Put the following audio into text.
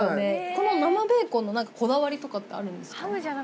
この生ベーコンの何かこだわりとかってあるんですか？